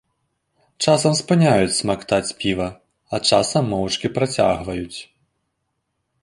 Часам спыняюць смактаць піва, а часам моўчкі працягваюць.